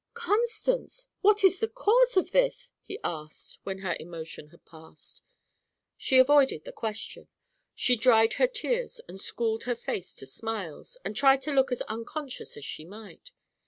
"Constance, what is the cause of this?" he asked, when her emotion had passed. She avoided the question. She dried her tears and schooled her face to smiles, and tried to look as unconscious as she might.